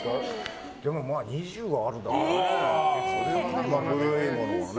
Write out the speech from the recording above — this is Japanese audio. ２０はあるだろうね。